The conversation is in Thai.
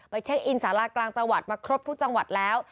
เช็คอินสารากลางจังหวัดมาครบทุกจังหวัดแล้ว